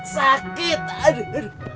sakit aduh aduh